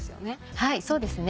はいそうですね。